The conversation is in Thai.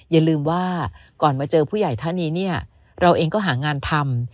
อย่าลืมว่าก่อนมาเจอผู้ใหญ่ท่านนี้เนี่ยเราเองก็หางานทำ